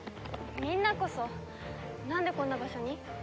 みんなこそなんでこんな場所に？